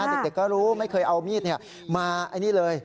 เด็กก็รู้ไม่เคยเอามีดมาไอ้นี่เลย